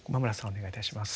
お願いいたします。